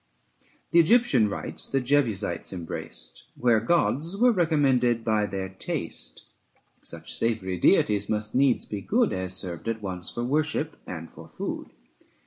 The Egyptian rites the Jebusites embraced, Where gods were recommended by their taste; Such savoury deities must needs be good 120 As served at once for worship and for food.